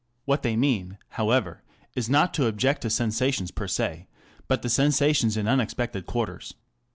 What they meau, however, is not to object to sensations per se, but to sensations in unexpected quarters.